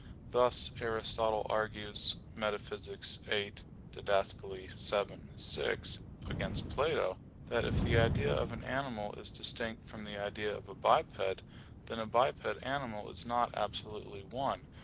Thus Aristotle argues, Metaph. viii (Did. vii, 6), against Plato, that if the idea of an animal is distinct from the idea of a biped, then a biped animal is not absolutely one.